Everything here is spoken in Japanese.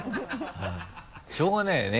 しょうがないよね。